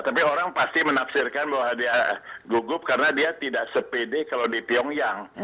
tapi orang pasti menafsirkan bahwa dia gugup karena dia tidak sepede kalau di pyongyang